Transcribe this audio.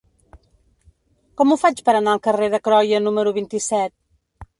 Com ho faig per anar al carrer de Croia número vint-i-set?